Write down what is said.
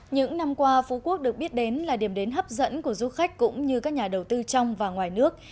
những năm qua phú quốc được biết đến là điểm đến hấp dẫn của du khách cũng như các nhà đầu tư trong và ngoài nước